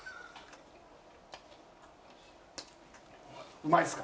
うまいっすか？